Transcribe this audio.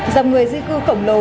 dòng người di cư khổng lồ